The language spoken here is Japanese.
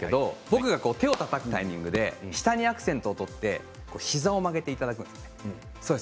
僕が手をたたくタイミングで下にアクセントを取って膝を曲げていただきます。